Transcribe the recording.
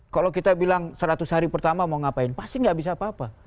kalau kita bilang seratus hari pertama mau ngapain pasti nggak bisa apa apa